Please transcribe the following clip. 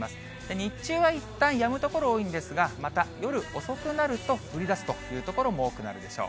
日中はいったん、やむ所が多いんですが、また夜遅くなると、降りだすという所も多くなるでしょう。